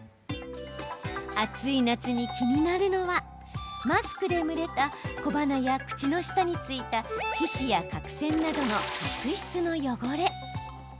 暑い夏に気になるのはマスクで蒸れた小鼻や口の下についた皮脂や角栓などの角質の汚れ。